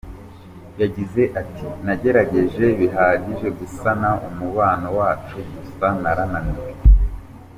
Yagize ati "Nagerageje bihagije gusana umubano wacu gusa narananiwe.